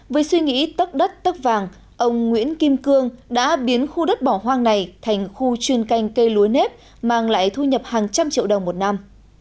với suy nghĩ tất đất tất vàng ông nguyễn kim cương đã biến khu đất bỏ hoang này thành khu chuyên canh cây lúa nếp mang lại thu nhập hàng trăm triệu đồng một năm